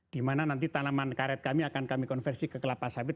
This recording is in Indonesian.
di mana nanti tanaman karet kami akan kami konversi ke kelapa sawit